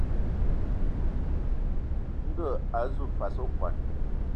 Ndɔ a azu fas okɔn.